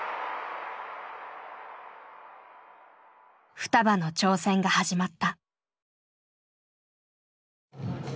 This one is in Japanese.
ふたばの挑戦が始まった。